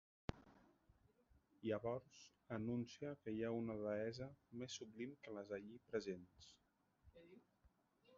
Llavors, anuncia que hi ha una Deessa més sublim que les allí presents.